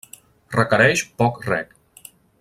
Requereix poc reg.